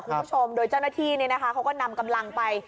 คุณผู้ชมโดยเจ้าหน้าที่เขาก็นำกำลังไป